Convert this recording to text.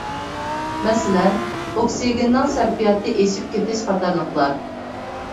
مەسىلەن: ئوكسىگېننىڭ سەرپىياتى ئېشىپ كېتىش قاتارلىقلار.